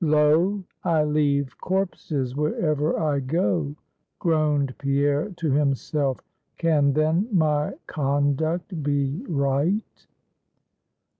"Lo! I leave corpses wherever I go!" groaned Pierre to himself "Can then my conduct be right?